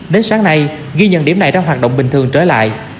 đến sáng nay ghi nhận điểm này đang hoạt động bình thường trở lại